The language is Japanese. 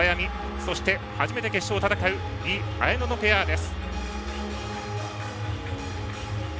そして初めて決勝を戦う井絢乃のペアです。